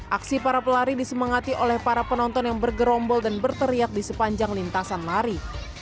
aksi para pelari disemangati oleh para penonton yang bergerombol dan berteriak di sepanjang lintasan lari